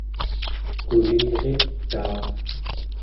quliritaa